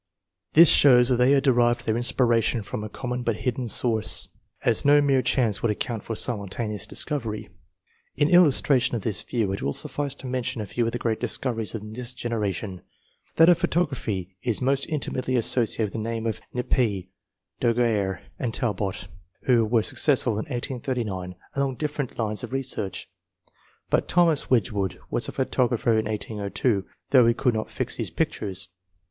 This shows that they had derived their inspiration from a common but hidden source, as no mere chance would account for simultaneous discovery. In illustration of this view it will suffice to mention a few of the great discoveries in this generation. That of photography is most intimately asso ciated with the names of Nidpce, Daguerre and Talbot, who were successful in 1839 along dif ferent lines of research, but Thomas Wedge wood was a photographer in 1802, though he could not fix his pictures.